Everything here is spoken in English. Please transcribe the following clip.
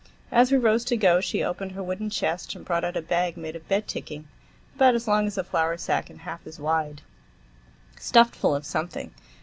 As we rose to go, she opened her wooden chest and brought out a bag made of bed ticking, about as long as a flour sack and half as wide, stuffed full of something.